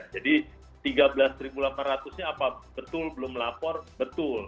jadi tiga belas delapan ratus nya apa betul belum lapor betul